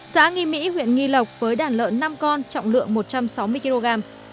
xã nghi mỹ huyện nghi lộc với đàn lợn năm con trọng lượng một trăm sáu mươi kg